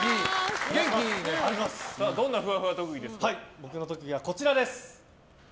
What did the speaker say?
僕の特技はこちらです。